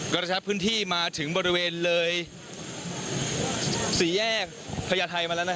กระชับพื้นที่มาถึงบริเวณเลยสี่แยกพญาไทยมาแล้ว